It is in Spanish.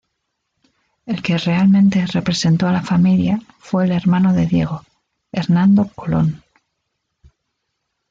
El que realmente representó a la familia fue el hermano de Diego, Hernando Colón.